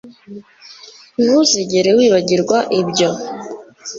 Ntuzigera wibagirwa ibyo